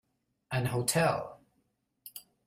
An hotel.